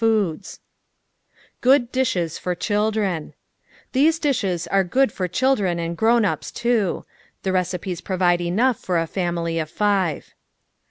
S. FOOD AGRICULTURE V / ADMINISTRATION Good Dishes for Children These dishes are good for children and grown ups too. The recipes provide enough for a family of five.